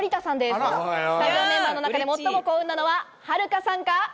スタジオメンバーの中で最も幸運なのは、はるかさんか？